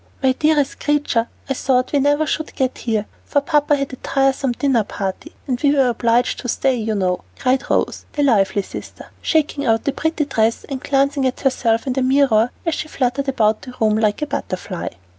"My dearest creature, I thought we never should get here, for Papa had a tiresome dinner party, and we were obliged to stay, you know," cried Rose, the lively sister, shaking out the pretty dress and glancing at herself in the mirror as she fluttered about the room like a butterfly.